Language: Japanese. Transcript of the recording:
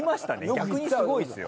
逆にすごいっすよ。